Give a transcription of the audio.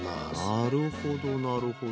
なるほどなるほど。